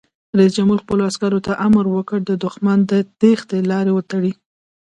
رئیس جمهور خپلو عسکرو ته امر وکړ؛ د دښمن د تیښتې لارې وتړئ!